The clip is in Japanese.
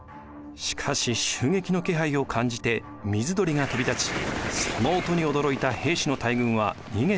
しかし襲撃の気配を感じて水鳥が飛び立ちその音に驚いた平氏の大軍は逃げてしまいます。